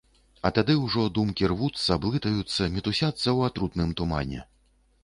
А тады ўжо думкі рвуцца, блытаюцца, мітусяцца ў атрутным тумане.